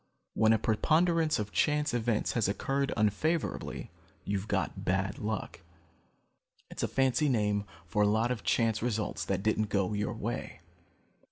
When a preponderance of chance events has occurred unfavorably, you've got bad luck. It's a fancy name for a lot of chance results that didn't go your way.